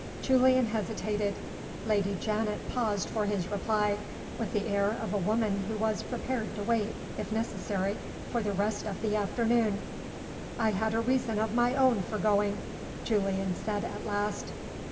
Julian hesitated. Lady Janet paused for his reply, with the air of a women who was prepared to wait (if necessary) for the rest of the afternoon. "I had a reason of my own for going," Julian said at last.